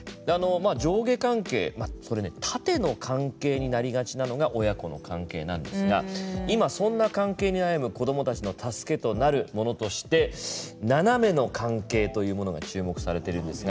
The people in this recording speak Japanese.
上下関係、それね縦の関係になりがちなのが親子の関係なんですが今、そんな関係に悩む子供たちの助けとなるものとしてナナメの関係というものが注目されてるんですが。